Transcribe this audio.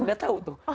gak tahu tuh